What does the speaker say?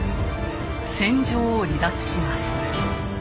戦場を離脱します。